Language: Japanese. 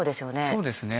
そうですね。